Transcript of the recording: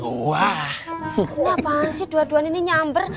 kenapa sih dua duaan ini nyamber